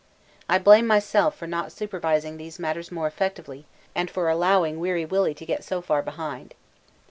I blame myself for not supervising these matters more effectively and for allowing W.W. to get so far behind.